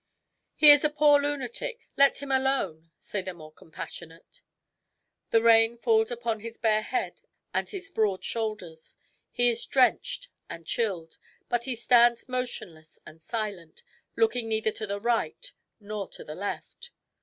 " He is a poor lunatic. Let him alone," say the more compassionate. The rain falls upon his bare head and his broad shoulders. He is drenched and chilled. But he stands motionless and silent, looking neither to the right nor to the left.